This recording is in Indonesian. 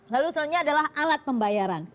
lalu usulnya adalah alat pembayaran